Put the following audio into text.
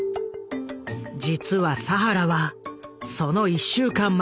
実は佐原はその１週間前